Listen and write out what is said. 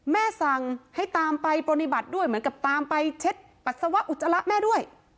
สั่งให้ตามไปปฏิบัติด้วยเหมือนกับตามไปเช็ดปัสสาวะอุจจาระแม่ด้วย